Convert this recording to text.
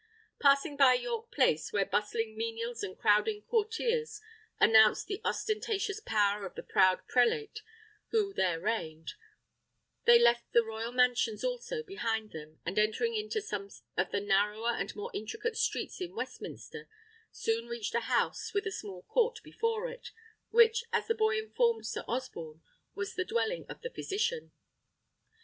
Passing by York Place, where bustling menials and crowding courtiers announced the ostentatious power of the proud prelate who there reigned, they left the royal mansions also behind them, and entering into some of the narrower and more intricate streets in Westminster, soon reached a house with a small court before it, which, as the boy informed Sir Osborne, was the dwelling of the physician.